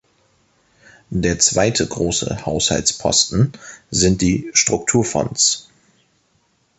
Der zweite große Haushaltsposten sind die Strukturfonds.